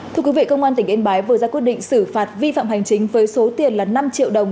thưa quý vị công an tỉnh yên bái vừa ra quyết định xử phạt vi phạm hành chính với số tiền là năm triệu đồng